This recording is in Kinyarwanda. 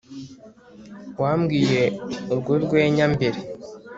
wambwiye urwo rwenya mbere